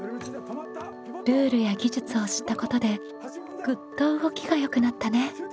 ルールや技術を知ったことでグッと動きがよくなったね。